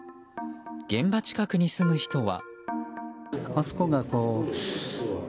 現場近くに住む人は。